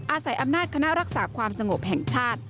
อาศัยอำนาจคณะรักษาความสงบแห่งชาติ